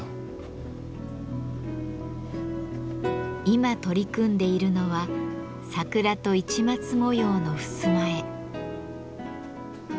今取り組んでいるのは桜と市松模様のふすま絵。